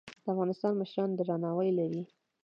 د افغانستان مشران درناوی لري